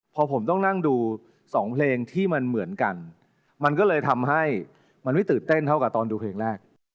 พอผมต้องนั่งดูสองเพลงที่มันเหมือนกันมันก็เลยทำให้มันไม่ตื่นเต้นเท่ากับตอนดูเพลงแรก